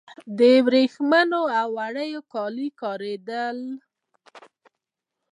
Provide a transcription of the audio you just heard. د وریښمو او وړیو کالي کاریدل